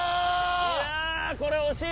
これ惜しい！